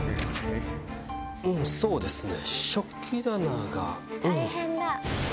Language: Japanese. そうですね。